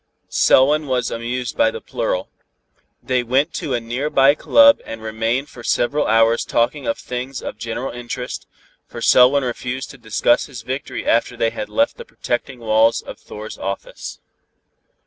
Selwyn was amused at the plural. They went to a near by club and remained for several hours talking of things of general interest, for Selwyn refused to discuss his victory after they had left the protecting walls of Thor's office.